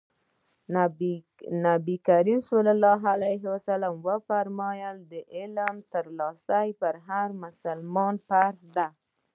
نبي کريم ص وفرمايل علم ترلاسی په هر مسلمان فرض دی.